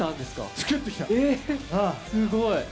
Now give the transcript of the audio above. すごい。